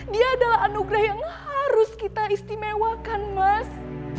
dia adalah anugerah yang harus kita istimewakan mas